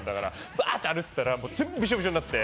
バーッて歩いてたら全部びしょびしょになって。